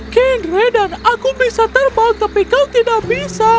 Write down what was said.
kendre dan aku bisa terbang tapi kau tidak bisa